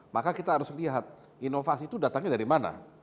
maka kita harus lihat inovasi itu datangnya dari mana